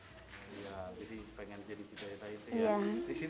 iya disitu pengen jadi penjahit penjahit